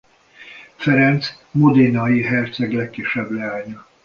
Ferenc modenai herceg legkisebb leánya.